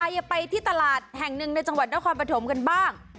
อย่าไปที่ตลาดแห่งหนึ่งในจังหวัดนครปฐมกันบ้าง